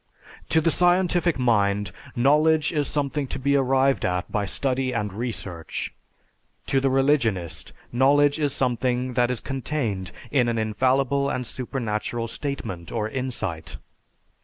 To the scientific mind, knowledge is something to be arrived at by study and research. To the religionist, knowledge is something that is contained in an infallible and supernatural statement or insight.